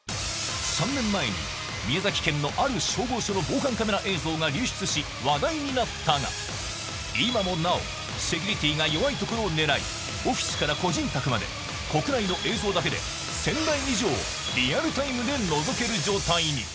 ３年前に宮崎県のある消防署の防犯カメラ映像が流出し、話題になったが、今もなお、セキュリティが弱いところを狙い、オフィスから個人宅まで、国内の映像だけで１０００台以上、リアルタイムでのぞける状態に。